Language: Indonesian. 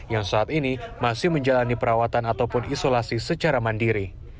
yang saat ini masih menjalani perawatan ataupun isolasi secara mandiri